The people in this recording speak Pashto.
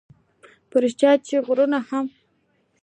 په رښتیا چې غرونه هم